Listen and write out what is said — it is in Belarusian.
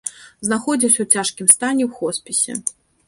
Знаходзіўся ў цяжкім стане ў хоспісе.